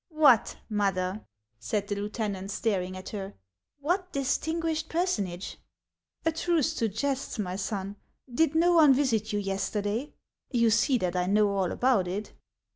" What, mother !" said the lieutenant, staring at her, — "what distinguished personage ?"" A truce to jests, my son. Did no one visit you yester day ? You see that I know all about it."